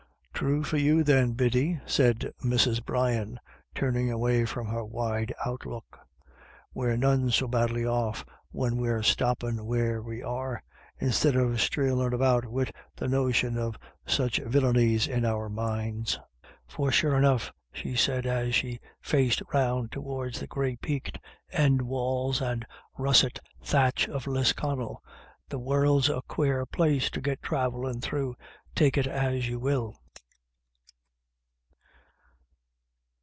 "True for you then, Biddy," said Mrs. Brian, turning away from her wide outlook ;" we're none so badly off, when we're stoppin' where we are, COMING AND GOING. 317 instid of streejin' about wid the notion of such vil lainies in our minds. For sure enough," she said, as she faced round towards the grey peaked end walls and russet thatch of Lisconnel, " the world's a quare place to get travellin' through, take it as you will."